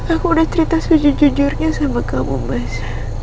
aku udah cerita suju jujurnya sama kamu mas